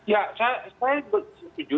ya saya setuju